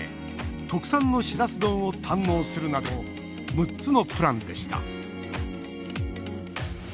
特産のしらす丼を堪能するなど６つのプランでした。